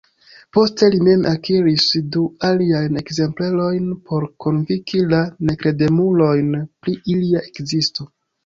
Poste li mem akiris du aliajn ekzemplerojn por konvinki la nekredemulojn pri ilia ekzisto.